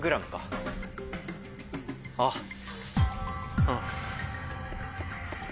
あっ。